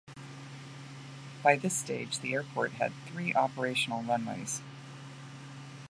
By this stage, the airport had three operational runways.